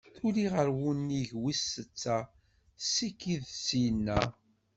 Tuli ɣer wunnig wis-setta, tessikid-d ssyinna.